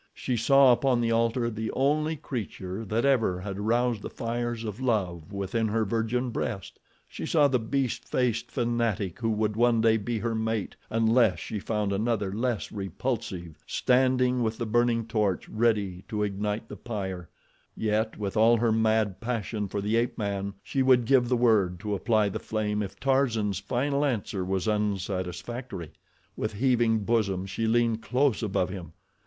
She saw upon the altar the only creature that ever had aroused the fires of love within her virgin breast; she saw the beast faced fanatic who would one day be her mate, unless she found another less repulsive, standing with the burning torch ready to ignite the pyre; yet with all her mad passion for the ape man she would give the word to apply the flame if Tarzan's final answer was unsatisfactory. With heaving bosom she leaned close above him.